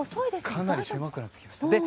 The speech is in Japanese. かなり狭くなってきました。